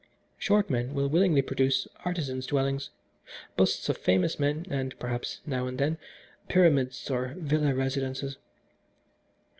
Short men will willingly produce artisans' dwellings, busts of famous men and, perhaps, now and then, pyramids or villa residences.